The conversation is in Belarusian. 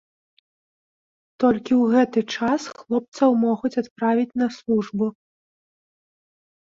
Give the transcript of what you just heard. Толькі ў гэты час хлопцаў могуць адправіць на службу.